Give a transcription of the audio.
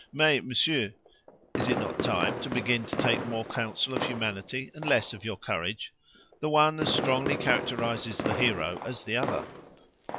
Mais, monsieur, is it not time to begin to take more counsel of humanity, and less of your courage? The one as strongly characterizes the hero as the other."